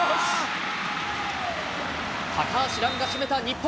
高橋藍が決めた日本。